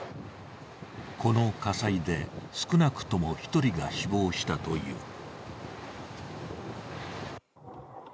この火災で少なくとも１人が死亡したという。